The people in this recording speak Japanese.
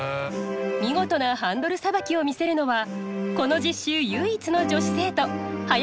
見事なハンドルさばきを見せるのはこの実習唯一の女子生徒早川夕月さん。